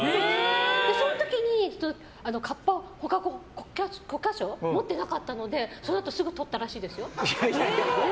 その時にカッパ捕獲許可証を持ってなかったのでそのあとすぐ取ったらしいですよ。